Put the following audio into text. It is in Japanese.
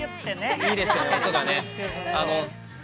いいですよね、音がね。